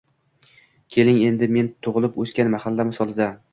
Keling, endi men tug‘ilib o‘sgan mahalla misolida